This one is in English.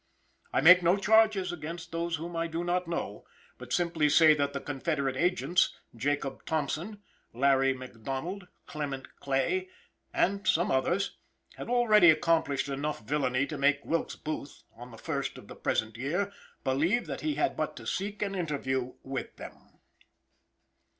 I make no charges against those whom I do not know, but simply say that the confederate agents, Jacob Tompson, Larry McDonald, Clement Clay, and some others, had already accomplished enough villainy to make Wilkes Booth, on the first of the present year, believe that he had but to seek an interview with them.